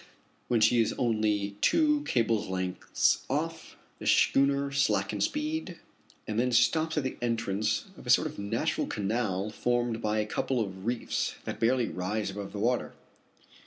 When she is only two cable's lengths off, the schooner slackens speed, and then stops at the entrance of a sort of natural canal formed by a couple of reefs that barely rise above the water.